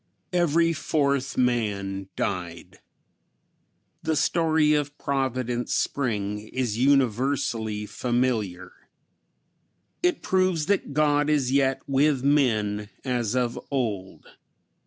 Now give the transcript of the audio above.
Every fourth man died! The story of "Providence Spring" is universally familiar. It proves that God is yet with men as of old.